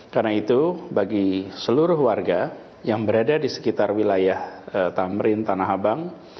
karena itu bagi seluruh warga yang berada di sekitar wilayah tamrin tanah abang